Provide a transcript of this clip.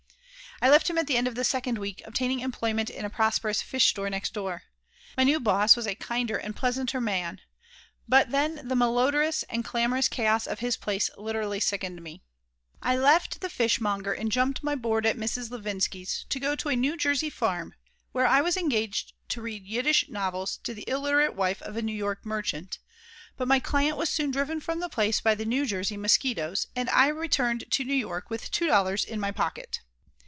I left him at the end of the second week, obtaining employment in a prosperous fish store next door. My new "boss" was a kinder and pleasanter man, but then the malodorous and clamorous chaos of his place literally sickened me I left the fishmonger and jumped my board at Mrs. Levinsky's to go to a New Jersey farm, where I was engaged to read Yiddish novels to the illiterate wife of a New York merchant, but my client was soon driven from the place by the New Jersey mosquitoes and I returned to New York with two dollars in my pocket.